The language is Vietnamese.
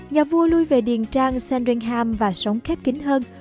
nhà vua lui về điền trang sandringham và sống khép kín hơn